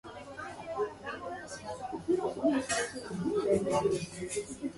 Vandal said that he was very pleased with the outcome.